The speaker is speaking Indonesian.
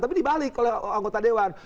tapi dibalik oleh anggota dewan